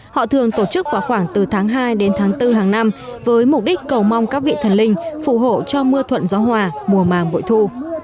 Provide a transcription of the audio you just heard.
họ thường tổ chức vào khoảng từ tháng hai đến tháng bốn hàng năm với mục đích cầu mong các vị thần linh phù hộ cho mưa thuận gió hòa mùa màng bội thu